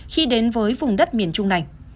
khi đến với vùng đất miền trung này